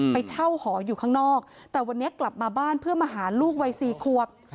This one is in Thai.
ไปเช่าหออยู่ข้างนอกแต่วันนี้กลับมาบ้านเพื่อมาหาลูกวัย๔ควบ